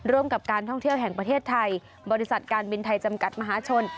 ร่วมกับการท่องเที่ยวแห่งประเทศไทยบริษัทการบินไทยจำกัดมหาชน